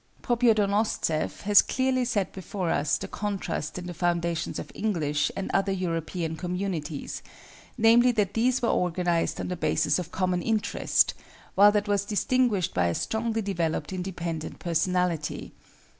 Pobyedonostseff has clearly set before us the contrast in the foundations of English and other European communities; namely that these were organized on the basis of common interest, while that was distinguished by a strongly developed independent personality.